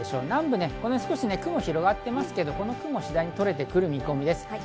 南、部雲が広がっていますけど、この雲は次第に取れてくる見込みです。